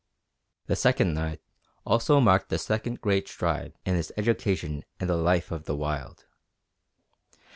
The second day marked also the second great stride in his education in the life of the wild.